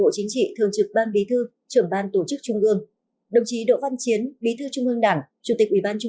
xin chào các bạn